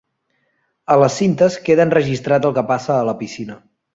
A les cintes queda enregistrat el que passa a la piscina.